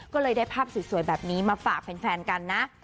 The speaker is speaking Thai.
ก็เลยได้ภาพสวยแบบนี้มาฝากแฟนกันนะ